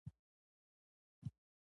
ګنډل او چوټې د بشري اړتیاوو برخه ده